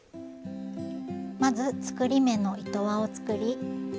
まず作り目の糸輪を作り